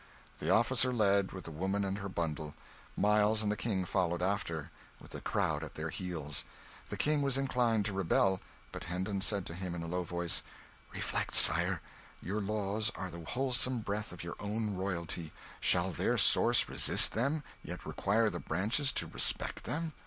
The officer led, with the woman and her bundle; Miles and the King followed after, with the crowd at their heels. The King was inclined to rebel; but Hendon said to him in a low voice "Reflect, Sire your laws are the wholesome breath of your own royalty; shall their source resist them, yet require the branches to respect them?